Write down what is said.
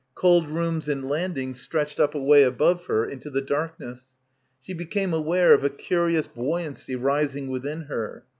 Cold rooms and landings stretched up away above her into the darkness. She became aware of a curious buoyancy rising within her.